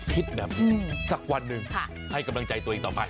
แบบสักวันหนึ่งให้กำลังใจตัวเองต่อไป